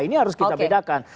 ini harus kita bedakan